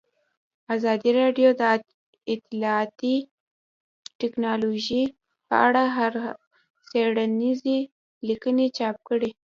ازادي راډیو د اطلاعاتی تکنالوژي په اړه څېړنیزې لیکنې چاپ کړي.